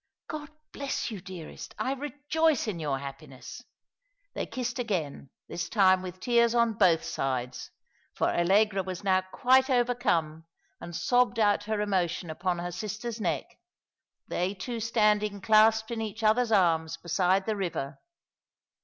"God bless you, dearest! I rejoice in your happi ness." They kissed again, this time with tears on both sides ; for Allegra was now quite overcome, and sobbed out her emotion upon her sister's neck ; they two standing clasped in each other's arms beside the river.